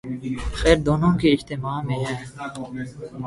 خیر دونوں کے اجتماع میں ہے۔